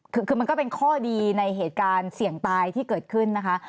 คือมันก็เป็นข้อดีในเหตุการณ์เสี่ยงตายที่เกิดขึ้นนะคะ